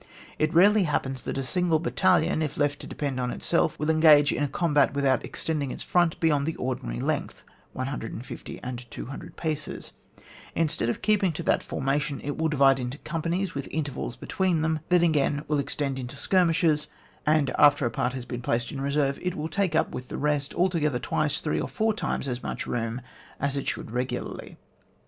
It rarely happens that a single battalion, if left to depend on itself, will engage in a combat without extending its front beyond the ordinary length (150 and 200 paces) ; in stead of keeping to that formation it will divide into companies with intervals be tween them, then again will extend into skirmishers, and after a part is placed in reserve it will take up with the rest, altogether twice, three or four times as much room as it should regularly.